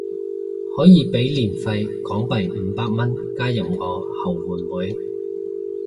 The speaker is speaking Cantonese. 可以俾年費港幣五百蚊加入我後援會